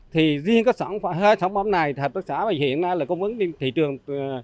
thì riêng các sản phẩm này hợp tác xã hiện nay là công ứng thị trường